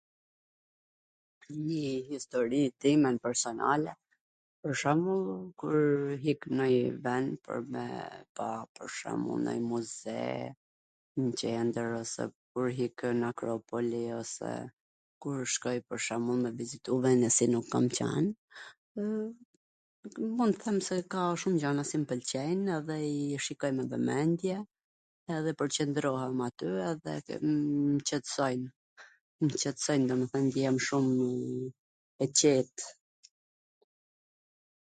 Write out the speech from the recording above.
Njii histori timen personale, pwr shwmbull, kur ik nw nonjw ven, me pa pwr shwmull nonj muzee, n qendwr ose kur ikwn nw Akropoli, ose kur shkoj pwr shwmbull me vizitu vende si nuk kam qwn, mund them se ka shum gjana si m pwlqejn, dhe i shikoj me vwmendje, edhe pwrqwndrohem aty, dhe m qetsojn, m qetsojn, domethwn jam shum e qet,